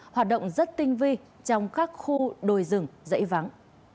hoạt động rất tinh vi trong các khu đồi rừng dãy vắng